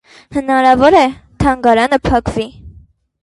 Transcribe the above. Հնարավոր է՝ թանգարանը փակվի։